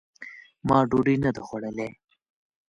ما ډوډۍ نه ده خوړلې !